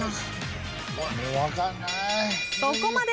そこまで。